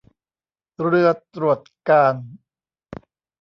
เรือตรวจการณ์